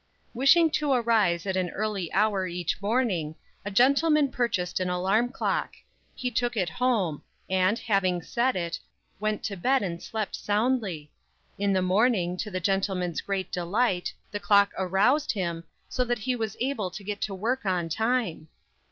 "'Wishing to arise at an early hour each morning, a gentleman purchased an alarm clock. He took it home, and, having set it, went to bed and slept soundly. In the morning, to the gentleman's great delight, the clock aroused him, so that he was able to get to work in time.